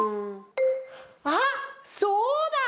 あっそうだ！